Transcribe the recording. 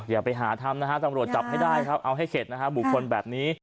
อย่าไปหาทำจำโรจจับให้ได้เอาให้เสร็จนะบุคลแบบนี้